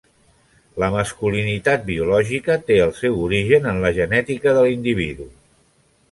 La masculinitat biològica té el seu origen en la genètica de l'individu.